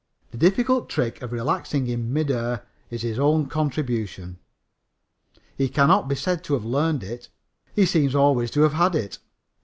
The difficult trick of relaxing in midair is his own contribution. He cannot be said to have learned it. He seems always to have had it.